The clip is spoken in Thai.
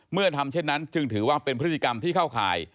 เมื่อทำเช่นนั้นจึงถือว่าเป็นพฤติกรรมที่เข้าข่าย